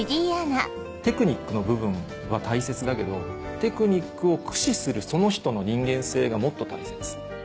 テクニックの部分は大切だけどテクニックを駆使するその人の人間性がもっと大切。